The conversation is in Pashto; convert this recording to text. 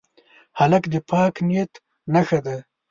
هلک د پاک نیت نښه ده.